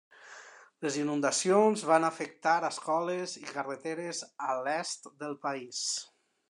Les inundacions van afectar escoles i carreteres a l'est del país.